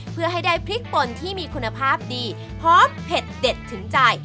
เพื่อให้ได้พริกปนที่มีคุณภาพดีพร้อมเผ็ดเด็ดถึงใจ